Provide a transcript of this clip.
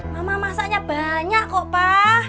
mama masaknya banyak kok pak